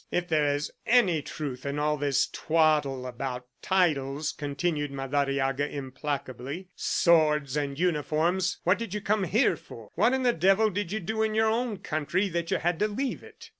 "If there's any truth in all this twaddle about titles," continued Madariaga implacably, "swords and uniforms, what did you come here for? What in the devil did you do in your own country that you had to leave it?"